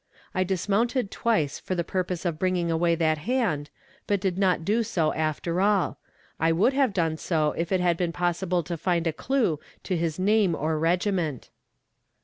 I dismounted twice for the purpose of bringing away that hand, but did not do so after all. I would have done so if it had been possible to find a clue to his name or regiment.